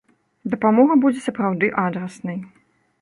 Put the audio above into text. Дапамога будзе сапраўды адраснай.